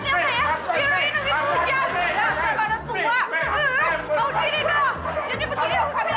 kita malah lihat nyata ya kira kira nungguin hujan